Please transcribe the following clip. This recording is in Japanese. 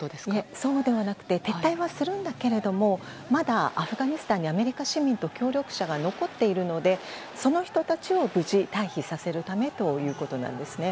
そうではなくて撤退はするんだけれどもまだアフガニスタンにアメリカ市民と協力者が残っているのでその人たちを無事退避させるためということなんですね。